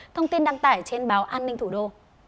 thông tin đăng tải trên báo an ninh thủ đô